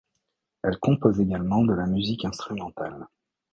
Elle compose également de la musique instrumentale.